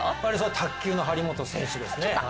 卓球の張本選手ですよね。